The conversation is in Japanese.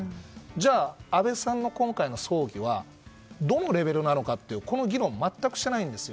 じゃあ、安倍さんの今回の葬儀はどのレベルなのかという議論を全くしていないんです。